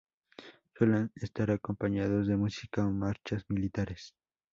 Suelen estar acompañados de música o marchas militares.